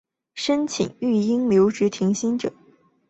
申请育婴留职停薪者